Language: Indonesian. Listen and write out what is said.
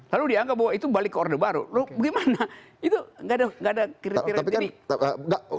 lalu dianggap bahwa itu balik ke orde baru loh gimana itu nggak ada kriteria